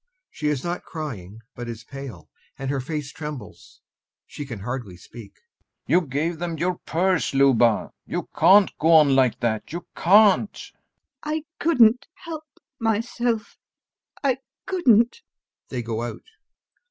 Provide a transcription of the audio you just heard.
She is not crying but is pale, and her face trembles; she can hardly speak.] GAEV. You gave them your purse, Luba. You can't go on like that, you can't! LUBOV. I couldn't help myself, I couldn't! [They go out.